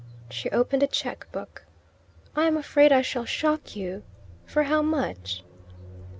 She opened a chequebook. "I am afraid I shall shock you. For how much?"